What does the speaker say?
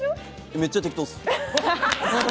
めっちゃ適当です。